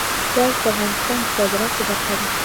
ګاز د افغانستان د صادراتو برخه ده.